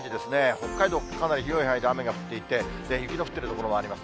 北海道、かなり広い範囲で雨が降っていて、雪の降っている所もあります。